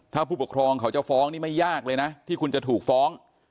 ถ้าผู้ปกครองเขาจะฟ้องนี่ไม่ยากเลยนะที่คุณจะถูกฟ้อง